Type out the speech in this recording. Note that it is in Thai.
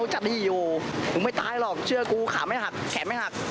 จะดีอยู่กูไม่ตายหรอกเชื่อกูขาไม่หักแขนไม่หัก